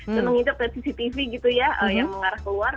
saya mengitap dari cctv gitu ya yang mengarah keluar